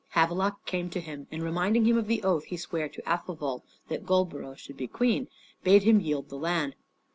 Havelok came to him and reminding him of the oath he sware to Athelwold that Goldborough should be queen, bade him yield the land.